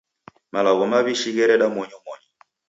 Malagho maw'ishi ghereda monyomonyo.